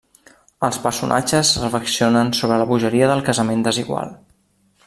Els personatges reflexionen sobre la bogeria del casament desigual.